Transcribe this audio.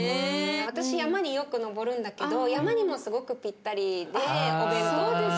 私山によく登るんだけど山にもすごくピッタリでお弁当として。